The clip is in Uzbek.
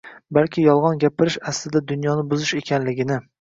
Balki yolg‘on gapirish aslida dunyoni buzish ekanligini